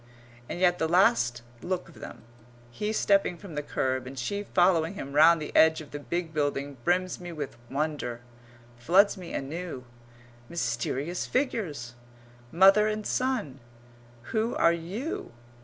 And yet the last look of them he stepping from the kerb and she following him round the edge of the big building brims me with wonder floods me anew. Mysterious figures! Mother and son. Who are you?